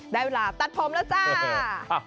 ได้เวลาตัดผมแล้วจ้า